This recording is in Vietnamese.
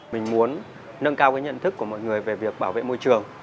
mình muốn nâng cao cái nhận thức của mọi người về việc bảo vệ môi trường